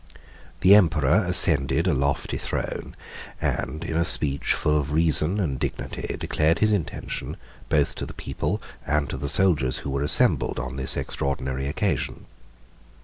The emperor ascended a lofty throne, and in a speech, full of reason and dignity, declared his intention, both to the people and to the soldiers who were assembled on this extraordinary occasion.